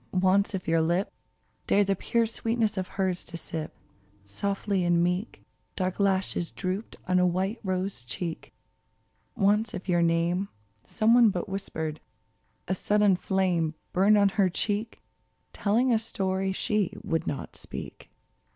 Once if your lip Dared the pure sweetness of hers to sip, Softly and meek Dark lashes drooped on a white rose cheek ! Once if your name Some one but whispered, a sudden flame Burned on her cheek. Telling a story she would not speak